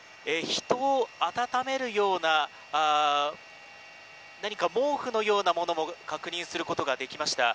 人を温めるような毛布のようなものも確認することができました。